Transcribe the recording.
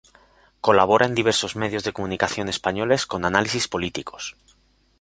Colabora en diversos medios de comunicación españoles con análisis políticos.